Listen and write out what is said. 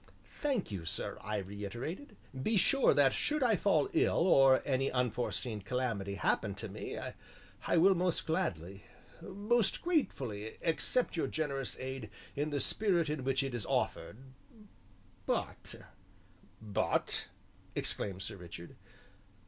"Thank you, sir," I reiterated; "be sure that should I fall ill or any unforeseen calamity happen to me, I will most gladly, most gratefully accept your generous aid in the spirit in which it is offered, but " "But?" exclaimed Sir Richard.